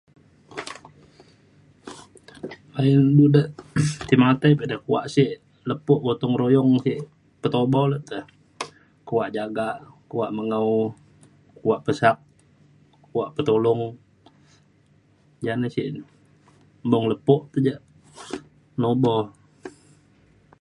Ayen du dak tai matai pe eda kuak sik lepo gotong-royong sik petobo lukte. Kuak jagak, kuak mengau, kuak pesak, kuak petulung jane sik de. Mung lepo pe jak nobo.